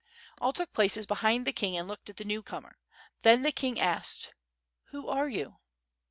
All took places buliind the king and looked at the newcomer. Then the kin^ asked: '*Who are you?